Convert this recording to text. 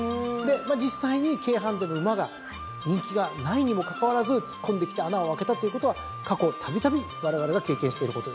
実際に軽ハンデの馬が人気がないにもかかわらず突っ込んできて穴をあけたということは過去たびたびわれわれが経験していることです。